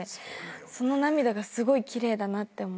その涙がすごい奇麗だなって思いました。